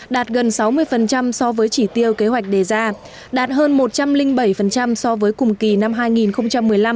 đạt gần sáu mươi so với chỉ tiêu kế hoạch đề ra đạt hơn một trăm linh bảy so với cùng kỳ năm hai nghìn một mươi năm